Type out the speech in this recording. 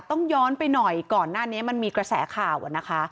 ต้องย้อนไปหน่อยก่อนหน้านี้มันมีกระแสข่าวนะคะ